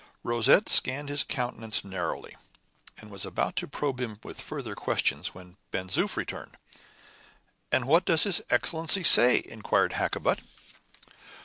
Rosette scanned his countenance narrowly, and was about to probe him with further questions, when Ben Zoof returned. "And what does his Excellency say?" inquired Hakkabut.